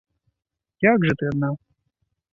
Як жа ты адна?